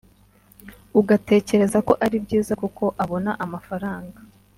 ugatekereza ko ari byiza kuko abona amafaranga